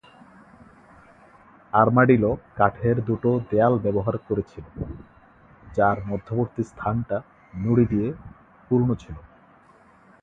আরমাডিলো কাঠের দুটো দেয়াল ব্যবহার করেছিল, যার মধ্যবর্তী স্থানটা নুড়ি দিয়ে পূর্ণ ছিল।